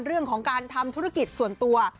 เรื่องของการทำธุรกิจส่วนตัว